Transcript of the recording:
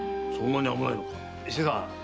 そんなに危ないのか？